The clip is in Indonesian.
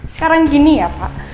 sekarang gini ya pak